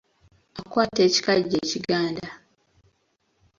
Akwata ekikajjo ekiganda.